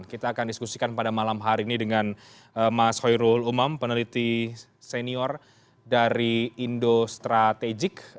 kita akan diskusikan pada malam hari ini dengan mas hoirul umam peneliti senior dari indo strategik